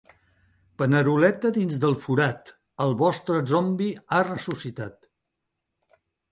Paneroleta dins del forat: el vostre zombi ha ressuscitat.